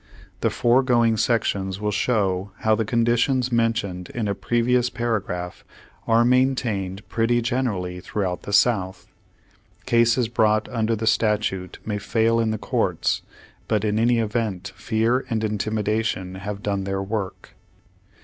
The fore going sections will show how the conditions men tioned in a previous paragraph are maintained pretty generally throughout the South. Cases brought under the statute may fail in the courts, but in any event fear and intimidation have done their work.